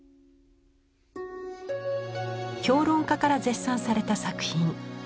評論家から絶賛された作品。